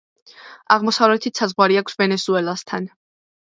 აღმოსავლეთით საზღვარი აქვს ვენესუელასთან.